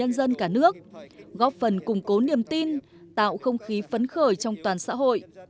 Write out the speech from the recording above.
các cấp các nhân dân cả nước góp phần củng cố niềm tin tạo không khí phấn khởi trong toàn xã hội